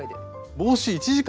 帽子１時間で？